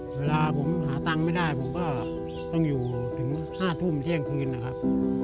เวลาผมหาตังค์ไม่ได้ผมก็ต้องอยู่ถึง๕ทุ่มเที่ยงคืนนะครับ